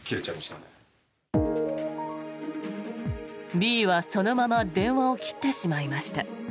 Ｂはそのまま電話を切ってしまいました。